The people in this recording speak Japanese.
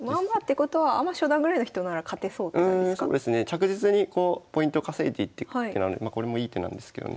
着実にポイントを稼いでいってく手なのでこれもいい手なんですけどね。